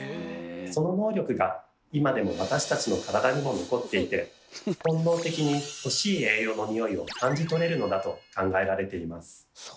その能力が今でも私たちの体にも残っていて本能的に欲しい栄養の匂いを感じとれるのだと考えられています。